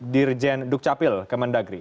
dirjen dukcapil kemendagri